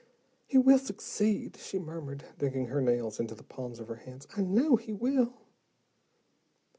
"He will succeed," she murmured, digging her nails into the palms of her hands. "I know he will."